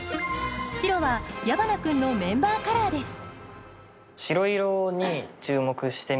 白は矢花君のメンバーカラーです